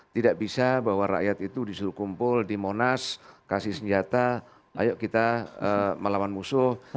tidak bisa bahwa rakyat itu disuruh kumpul di monas kasih senjata ayo kita melawan musuh